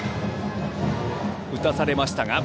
打たされました。